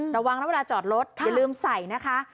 ระวังนะเวลาจอดรถอย่าลืมใส่นะคะ